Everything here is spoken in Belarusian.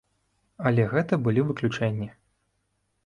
Але гэта былі выключэнні.